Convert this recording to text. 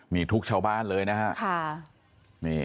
มีทุกชาวบ้านเลยนะฮะ